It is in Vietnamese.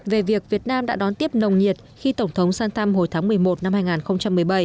về việc việt nam đã đón tiếp nồng nhiệt khi tổng thống sang thăm hồi tháng một mươi một năm hai nghìn một mươi bảy